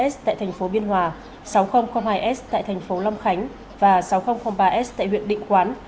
sáu nghìn một s tại tp biên hòa sáu nghìn hai s tại tp long khánh và sáu nghìn ba s tại huyện định quán